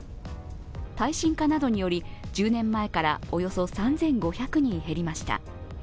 耐震化などにより１０年前からおよそ３５００人減りました。